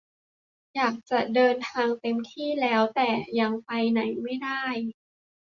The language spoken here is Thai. อยากจะเดินทางเต็มที่แล้ว แต่ยังไปไหนไม่ได้